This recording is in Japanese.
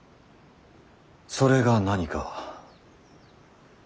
それが何か。